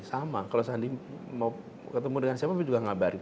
sama kalau sandi mau ketemu dengan siapa pun juga ngabarin